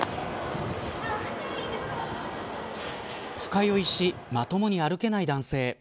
深酔いしまともに歩けない男性。